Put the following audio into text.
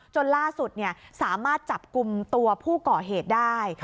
จนล่าสุดสามารถจับกลุ่มตัวผู้ก่อเหตุได้